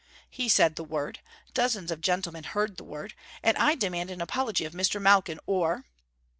He said the word. Dozens of gentlemen heard the word. And I demand an apology of Misterr Malkin or...!